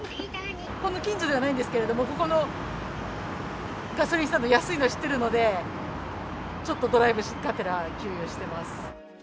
この近所ではないんですけれども、ここのガソリンスタンド、安いのを知ってるので、ちょっとドライブがてら給油してます。